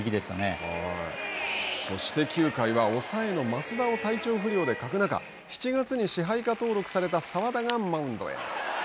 そして９回は抑えの益田を体調不良で欠く中７月に支配下登録された澤田がマウンドへ。